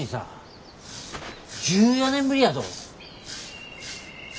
１４年ぶりやぞ。